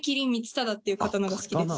忠っていう刀が好きです。